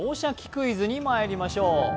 クイズ」にまいりましょう。